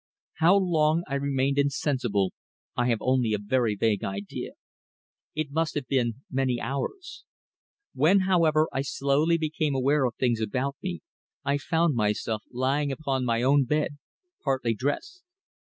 How long I remained insensible I have only a very vague idea. It must have been many hours. When, however, I slowly became aware of things about me, I found myself lying upon my own bed partly dressed.